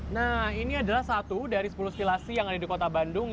nah ini adalah satu dari sepuluh stilasi yang ada di kota bandung